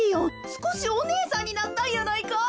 すこしおねえさんになったんやないか？